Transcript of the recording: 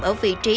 ở vị trí